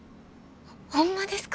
ホンマですか？